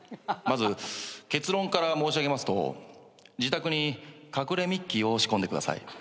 まず結論から申し上げますと自宅に隠れミッキーを仕込んでください。